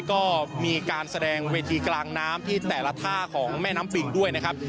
ก็มีการแสดงเวทีกลางน้ำที่แต่ละท่าของแม่น้ำปิงด้วยนะครับ